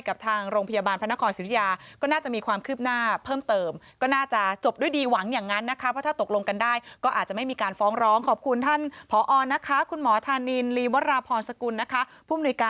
กับทางโรงพยาบาลพนครศิริยา